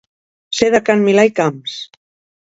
Ser de can Milà i Camps.